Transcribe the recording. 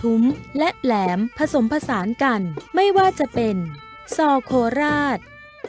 และแหลมผสมผสานกันไม่ว่าจะเป็นซอโคราช